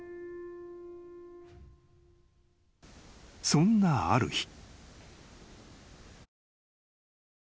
［そんなある日］